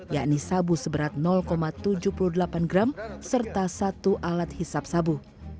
yakni sabu seberat tujuh puluh delapan gram serta satu alat hisap sabu